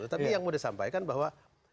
tapi yang mau disampaikan bahwa